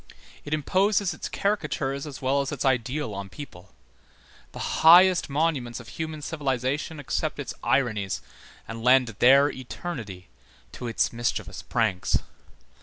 It imposes its caricatures as well as its ideal on people; the highest monuments of human civilization accept its ironies and lend their eternity to its mischievous pranks.